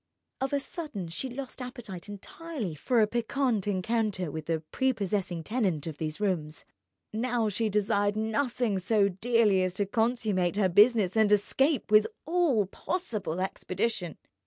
Of a sudden she lost appetite entirely for a piquant encounter with the prepossessing tenant of these rooms. Now she desired nothing so dearly as to consummate her business and escape with all possible expedition.